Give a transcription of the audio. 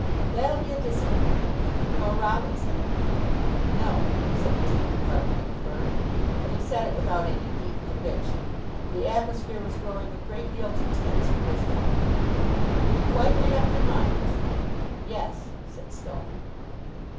"That'll be a disappointment. Nor Robinson?" "No," said the junior partner in the firm; but he said it without any deep conviction. The atmosphere was growing a great deal too tense for his comfort. "You've quite made up your minds?" "Yes," said Stone.